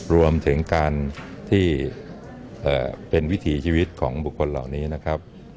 รวมถึงการที่เป็นวิถีชีวิตของบุคคลเหล่านี้นะครับ